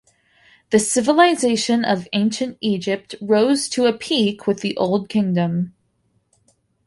The civilization of Ancient Egypt rose to a peak with the Old Kingdom.